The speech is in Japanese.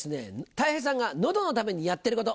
たい平さんが「喉のためにやってること」